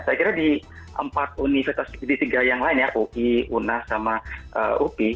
saya kira di empat universitas di tiga yang lain ya ui unas sama upi